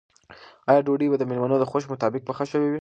آیا ډوډۍ به د مېلمنو د خوښې مطابق پخه شوې وي؟